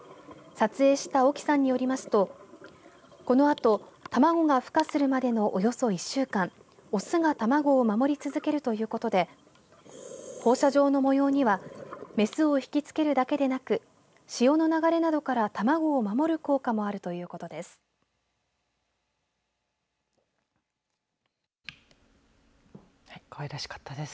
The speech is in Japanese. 撮影した興さんによりますとこのあと卵がふ化するまでのおよそ１週間、オスが卵を守り続けるということで放射状の模様にはメスを引きつけるだけでなく潮の流れなどから卵を守る効果もあるということです。